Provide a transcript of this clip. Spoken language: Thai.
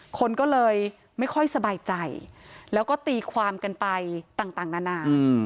คนก็เลยไม่ค่อยสบายใจแล้วก็ตีความกันไปต่างนานา